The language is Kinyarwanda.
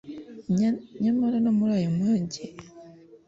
Nyamara no muri ayo mage akomeye yarimo yahamije ukwizera kwe yemera